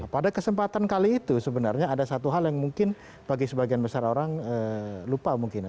pada kesempatan kali itu sebenarnya ada satu hal yang mungkin bagi sebagian besar orang lupa mungkin ya